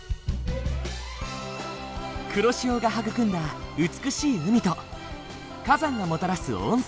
黒潮が育んだ美しい海と火山がもたらす温泉。